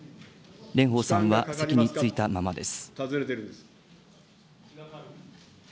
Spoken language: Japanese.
蓮舫さんは席に着いたままです。